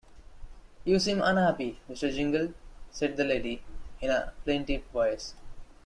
‘You seem unhappy, Mr. Jingle,’ said the lady, in a plaintive voice.